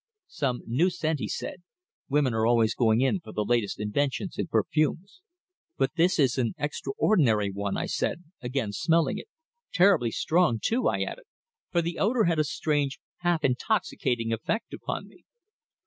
"Some new scent," he said. "Women are always going in for the latest inventions in perfumes." "But this is an extraordinary one," I said, again smelling it. "Terribly strong, too," I added, for the odour had a strange, half intoxicating effect upon me.